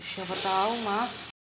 siapa tau mah